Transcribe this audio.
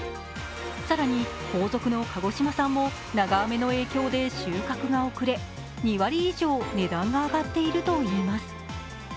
更に、後続の鹿児島産も長雨の影響で収穫が遅れ２割以上値段が上がっているといいます。